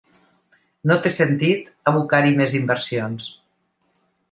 No té sentit abocar-hi més inversions.